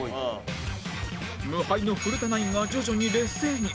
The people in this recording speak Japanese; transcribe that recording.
無敗の古田ナインが徐々に劣勢に